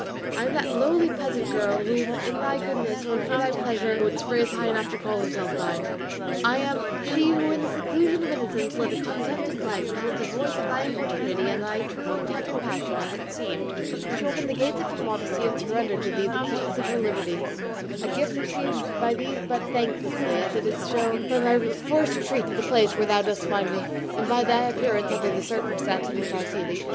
I am that lowly peasant girl whom thou in thy goodness or for thy pleasure wouldst raise high enough to call herself thine; I am she who in the seclusion of innocence led a contented life until at the voice of thy importunity, and thy true and tender passion, as it seemed, she opened the gates of her modesty and surrendered to thee the keys of her liberty; a gift received by thee but thanklessly, as is clearly shown by my forced retreat to the place where thou dost find me, and by thy appearance under the circumstances in which I see thee.